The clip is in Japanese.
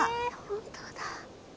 本当だ。